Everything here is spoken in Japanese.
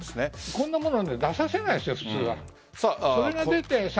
こんなものは普通出させないですよね。